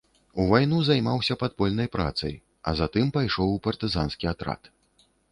У вайну займаўся падпольнай працай, а затым пайшоў у партызанскі атрад.